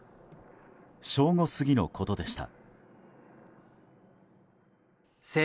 正午過ぎのことでした。